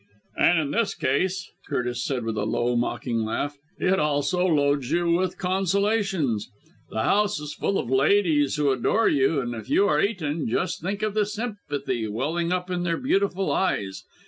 "And in this case," Curtis said with a low, mocking laugh, "it also loads you with consolations. The house is full of ladies who adore you, and if you are eaten, just think of the sympathy welling up in their beautiful eyes!